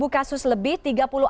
sepuluh kasus lebih